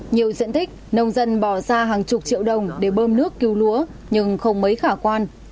nhiều diện tích nông dân bỏ ra hàng chục triệu đồng để bơm nước cứu lúa nhưng không mấy khả quan